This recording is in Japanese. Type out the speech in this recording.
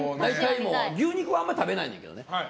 牛肉はあまり食べないんですけどね。